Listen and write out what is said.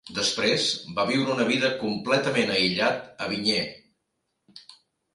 Després, va viure una vida completament aïllat a Vignay.